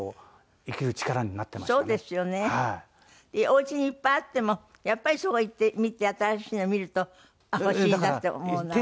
おうちにいっぱいあってもやっぱりそこ行って見て新しいの見ると欲しいなって思うのある。